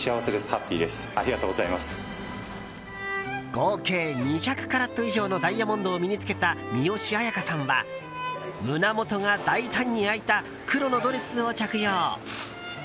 合計２００カラット以上のダイヤモンドを身に着けた三吉彩花さんは胸元が大胆に開いた黒のドレスを着用。